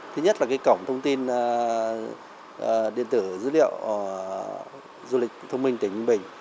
thứ nhất là cổng thông tin điện tử dữ liệu du lịch thông minh tỉnh ninh bình